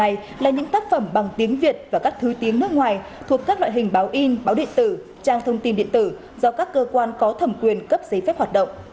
bài là những tác phẩm bằng tiếng việt và các thứ tiếng nước ngoài thuộc các loại hình báo in báo điện tử trang thông tin điện tử do các cơ quan có thẩm quyền cấp giấy phép hoạt động